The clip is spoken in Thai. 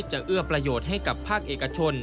เอื้อประโยชน์ให้กับภาคเอกชน